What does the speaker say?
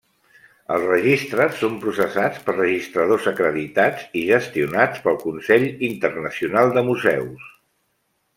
Els registres són processats per registradors acreditats i gestionats pel Consell Internacional de Museus.